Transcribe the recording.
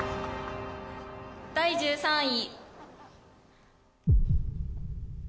第１３位。